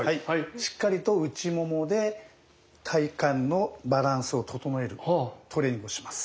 しっかりと内ももで体幹のバランスを整えるトレーニングをします。